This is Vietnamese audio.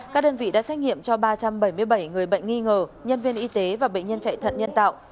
các đơn vị đã xét nghiệm cho ba trăm bảy mươi bảy người bệnh nghi ngờ nhân viên y tế và bệnh nhân chạy thận nhân tạo